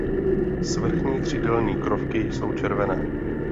Svrchní křídelní krovky jsou červené.